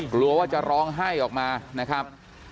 กลัวว่าจะร้องไห้ออกมานะครับ